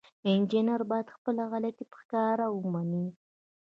انجینر باید خپله غلطي په ښکاره ومني.